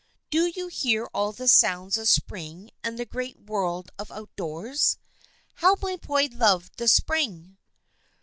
" Do you hear all the sounds of spring and the great world of outdoors ? How my boy loved the spring